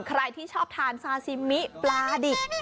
ใครที่ชอบทานซาซิมิปลาดิบ